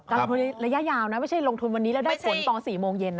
ลงทุนในระยะยาวนะไม่ใช่ลงทุนวันนี้แล้วได้ผลตอน๔โมงเย็นนะ